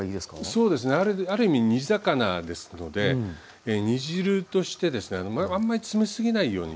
そうですねある意味煮魚ですので煮汁としてですねあんまり詰め過ぎないように。